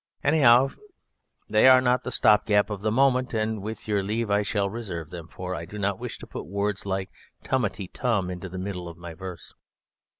Anyhow, they are the stop gap of the moment, and with your leave I shall reserve them, for I do not wish to put words like 'tumty tum' into the middle of my verse."